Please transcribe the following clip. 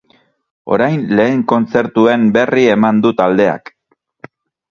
Orain, lehen kontzertuen berri eman du taldeak.